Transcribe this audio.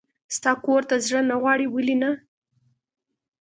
ستا کور ته زړه نه غواړي؟ ولې نه.